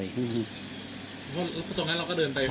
พี่สวัสดีครับแล้วตรงเนี้ยเราก็เดินไป